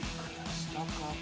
下か。